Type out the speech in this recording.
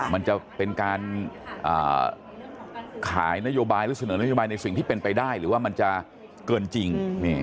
มันจะเป็นการขายนโยบายหรือเสนอนโยบายในสิ่งที่เป็นไปได้หรือว่ามันจะเกินจริง